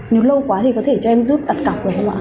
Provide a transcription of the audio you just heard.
nếu lâu quá thì có thể cho em giúp đặt cặp rồi không ạ